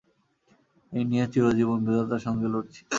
এই নিয়ে চিরজীবন বিধাতার সঙ্গে লড়ছি।